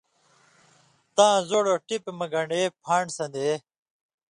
تاں زُوڑہۡ ٹِپیۡ مہ گن٘ڈے پھان٘ڈ سن٘دے